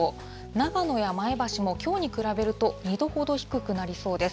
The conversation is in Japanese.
長野や前橋もきょうに比べると２度ほど低くなりそうです。